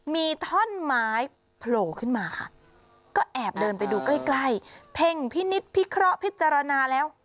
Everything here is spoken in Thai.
มีท่อนไม้โผล่ขึ้นมาค่ะก็แอบเดินไปดูใกล้ใกล้เพ่งพินิษฐพิเคราะห์พิจารณาแล้ว